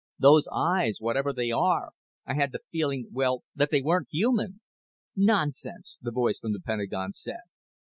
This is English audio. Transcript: Those eyes, whatever they are. I had the feeling well, that they weren't human." "Nonsense!" the voice from the Pentagon said.